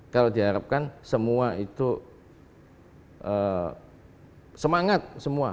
kalau diharapkan semua itu semangat semua